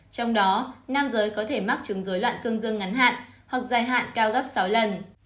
trong đó nam giới có thể mắc chứng dối loạn cương dương ngắn hạn hoặc dài hạn cao gấp sáu lần